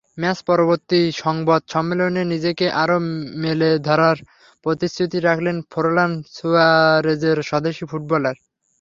ম্যাচ-পরবর্তী সংবাদ সম্মেলনে নিজেকে আরও মেলে ধরার প্রতিশ্রুতি রাখলেন ফোরলান-সুয়ারেজের স্বদেশি ফুটবলার।